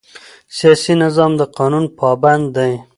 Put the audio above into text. سیاسي نظام د قانون پابند دی